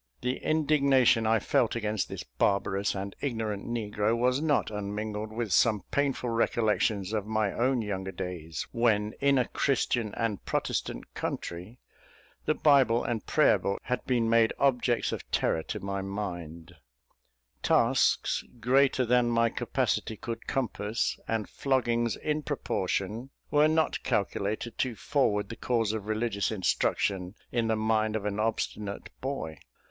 The indignation I felt against this barbarous and ignorant negro was not unmingled with some painful recollections of my own younger days, when, in a Christian and protestant country, the bible and prayer book had been made objects of terror to my mind; tasks, greater than my capacity could compass, and floggings in proportion were not calculated to forward the cause of religious instruction in the mind of an obstinate boy.